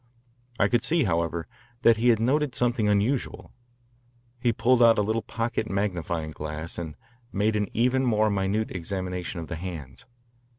I could see, however, that he had noted something unusual. He pulled out a little pocket magnifying glass and made an even more minute examination of the hands.